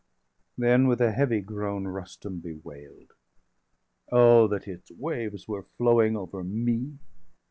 Then, with a heavy groan, Rustum bewail'd: "Oh, that its waves were flowing over me!